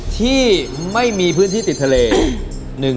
ที่ไม่มีพื้นที่ติดทะเล